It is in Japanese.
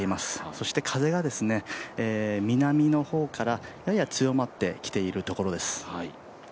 そして風が南の方からやや強まってきているところです。